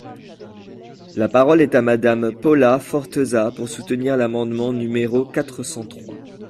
La parole est à Madame Paula Forteza, pour soutenir l’amendement numéro quatre cent trois.